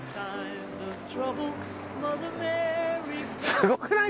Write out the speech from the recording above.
すごくない？